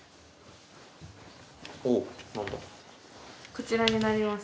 こちらになります。